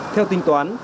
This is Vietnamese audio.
theo tính toán